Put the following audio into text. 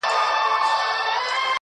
چي تا په گلابي سترگو پرهار پکي جوړ کړ.